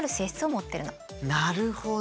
なるほど。